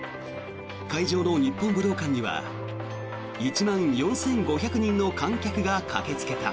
会場の日本武道館には１万４５００人の観客が駆けつけた。